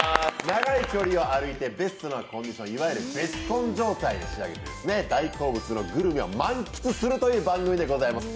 長い距離を歩いてベストなコンディション、いわゆるベスコン状態ということで、大好物のグルメを満喫するという番組でございます。